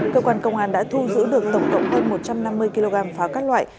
cơ quan công an đã thu giữ được tổng cộng hơn một trăm năm mươi kg pháo các loại